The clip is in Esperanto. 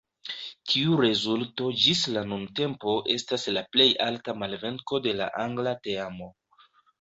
Tiu rezulto ĝis la nuntempo estas la plej alta malvenko de la angla teamo.